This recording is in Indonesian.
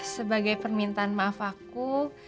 sebagai permintaan maaf aku